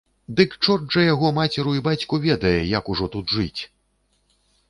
Дык чорт жа яго мацеру і бацьку ведае, як ужо тут жыць!